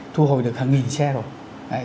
thu hồi được hàng nghìn xe rồi